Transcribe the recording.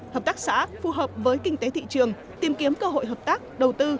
hợp tác xã phù hợp với kinh tế thị trường tìm kiếm cơ hội hợp tác đầu tư